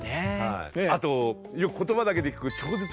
あとよく言葉だけで聞く